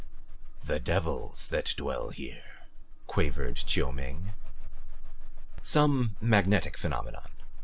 "The devils that dwell here!" quavered Chiu Ming. "Some magnetic phenomenon."